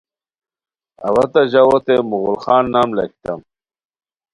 اوا تہ ژاوؤ تے مغل خان نام لاکھیتام